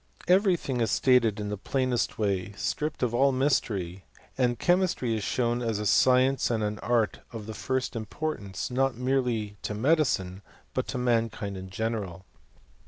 Every thing is stated in the plainest way, stripped of all mystery, and chemistry is shown as a science and an art pf the first importance, not merely to medicine, but to mankind in general.